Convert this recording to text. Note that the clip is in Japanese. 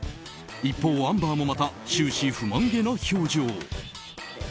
一方、アンバーもまた終始不満げな表情。